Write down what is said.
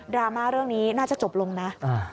ราม่าเรื่องนี้น่าจะจบลงนะ